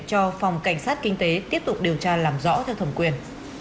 cho phòng cảnh sát kinh tế tiếp tục điều tra làm rõ theo thẩm quyền